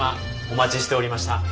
お待ちしておりました。